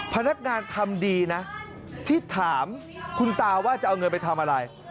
พนักงานทำดีนะที่ถามคุณตาว่าจะเอาเงินไปทำอะไร